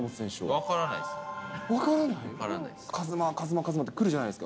分からないです。